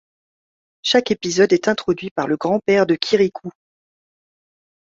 Chaque épisode est introduit par le grand-père de Kirikou.